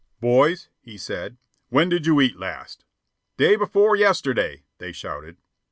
"Boys," he said, "when did you eat last?" "Day before yesterday," they shouted.